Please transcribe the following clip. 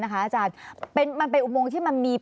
มันเป็นอุโมงที่มันมี